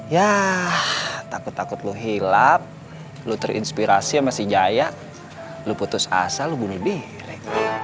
yah takut takut lo hilap lo terinspirasi sama si jaya lo putus asa lo bunuh diri